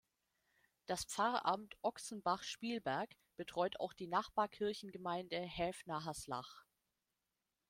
Das Pfarramt Ochsenbach-Spielberg betreut auch die Nachbarkirchengemeinde Häfnerhaslach.